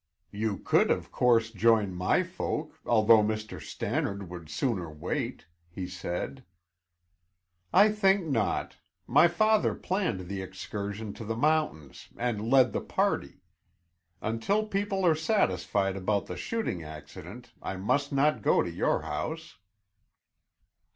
"You could of course join my folk, although Mr. Stannard would sooner wait," he said. "I think not. My father planned the excursion to the mountains and led the party. Until people are satisfied about the shooting accident, I must not go to your house."